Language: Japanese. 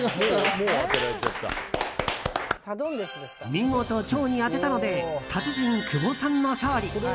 見事、蝶に当てたので達人・久保さんの勝利！